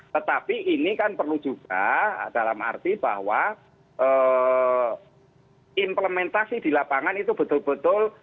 tetapi ini kan perlu juga dalam arti bahwa implementasi di lapangan itu betul betul